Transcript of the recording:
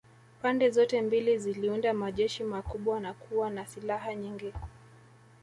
Pande zote mbili ziliunda majeshi makubwa na kuwa na silaha nyingi